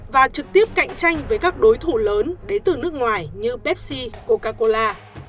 và trực tiếp cạnh tranh với các đối thủ lớn đến từ nước ngoài như pepsi coca cola